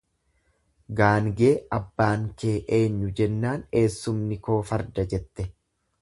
Gaangee abbaan kee enyu jennaan eessumni koo farda jette.